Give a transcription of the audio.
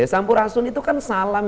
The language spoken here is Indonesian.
sampurasun itu kan salam